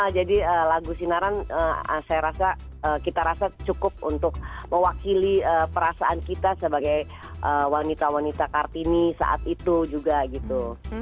jadi lagu sinaran saya rasa kita rasa cukup untuk mewakili perasaan kita sebagai wanita wanita kartini saat itu juga gitu